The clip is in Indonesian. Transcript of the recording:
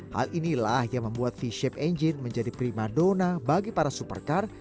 hal inilah yang membuat v shape engine menjadi prima dona bagi para supercar